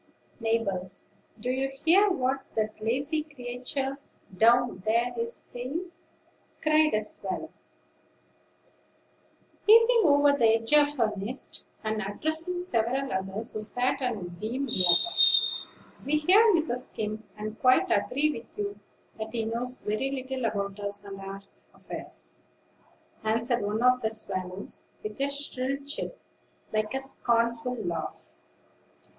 "Neighbors, do you hear what that lazy creature down there is saying?" cried a swallow, peeping over the edge of her nest, and addressing several others who sat on a beam near by. "We hear, Mrs. Skim; and quite agree with you that he knows very little about us and our affairs," answered one of the swallows with a shrill chirp, like a scornful laugh.